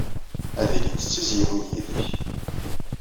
Ad ilint d tizzyiwin yid-k.